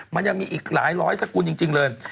มันยังมีอีกหลายร้อยสกุลจริงเลย